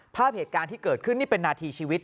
ภาพเหตุการณ์ที่เกิดขึ้นนี่เป็นนาทีชีวิต